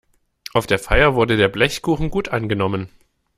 Auf der Feier wurde der Blechkuchen gut angenommen.